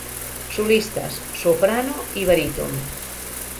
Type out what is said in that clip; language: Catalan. Solistes: soprano i baríton.